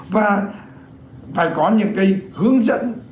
và phải có những cái hướng dẫn